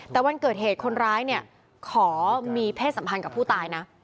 แต่วันเกิดเหตุคนร้ายเนี่ยขอมีเพศสัมพันธ์กับผู้ตายนะ